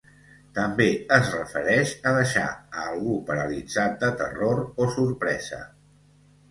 També es refereix a deixar a algú paralitzat de terror o sorpresa.